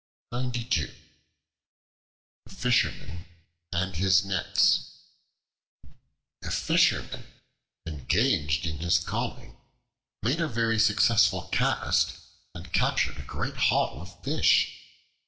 The Fisherman and His Nets A FISHERMAN, engaged in his calling, made a very successful cast and captured a great haul of fish.